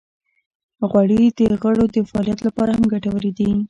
غوړې د غړو د فعالیت لپاره هم ګټورې دي.